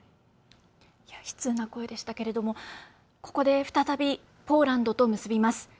悲痛な声でしたけれどもここで再びポーランドと結びます。